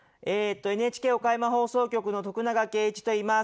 ＮＨＫ岡山放送局の徳永圭一といいます。